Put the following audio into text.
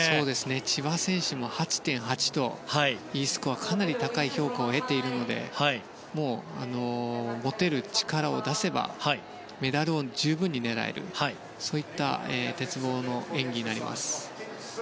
千葉選手も８．８とＥスコアはかなり高い評価を得ているのでもう、持てる力を出せばメダルを十分に狙えるそういった鉄棒の演技になります。